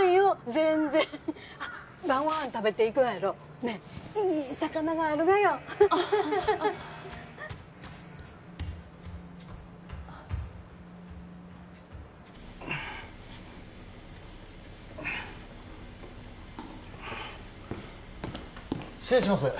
全然あっ晩ご飯食べていくんやろねいい魚があるがよ失礼します